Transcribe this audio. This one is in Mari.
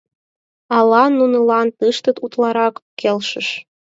Ала нунылан тыште утларак келшыш?